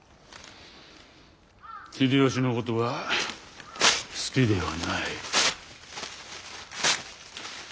秀吉のことは好きではない。